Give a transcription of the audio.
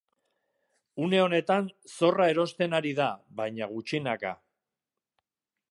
Une honetan zorra erosten ari da, baina gutxinaka.